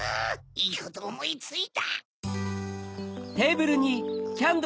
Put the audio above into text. いいことおもいついた。